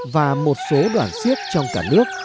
và một số đoàn siếc trong cả nước